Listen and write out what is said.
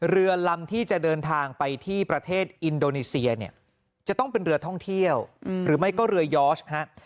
เรือลำที่จะเดินทางไปที่ประเทศอินโดนีเซียเนี่ยจะต้องเป็นเรือท่องเที่ยวหรือไม่ก็เรือยอร์ชฮะ